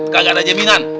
gak ada jaminan